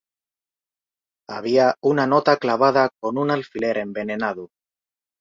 Había una nota clavada con un alfiler envenenado.